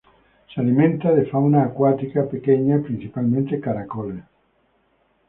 Se alimenta de fauna acuática pequeña, principalmente caracoles.